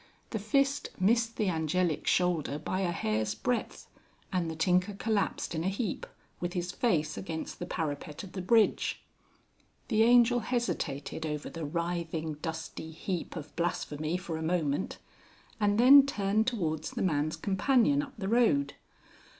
The fist missed the Angelic shoulder by a hairsbreadth, and the tinker collapsed in a heap with his face against the parapet of the bridge. The Angel hesitated over the writhing dusty heap of blasphemy for a moment, and then turned towards the man's companion up the road.